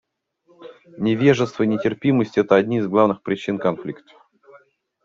Невежество и нетерпимость — это одни из главных причин конфликтов.